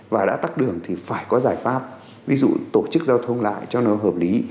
và đã tắt đường thì phải có giải pháp ví dụ tổ chức giao thông lại cho nó hợp lý